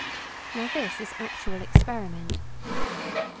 Now this is actual experiment.